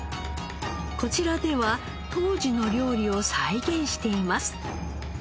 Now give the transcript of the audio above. こちらでは当時の料理を再現しています。